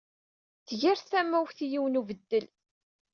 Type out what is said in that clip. Tger tamawt i yiwen n ubeddel.